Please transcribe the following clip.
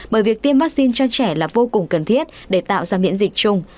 bởi việc tiêm vaccine cho trẻ là vô cùng cần thiết để tạo ra miễn dịch chung